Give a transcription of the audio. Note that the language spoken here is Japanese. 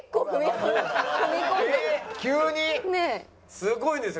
すごいんですよ